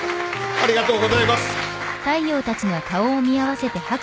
ありがとうございます！